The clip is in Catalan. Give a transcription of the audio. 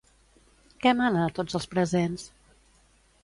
Què mana a tots els presents?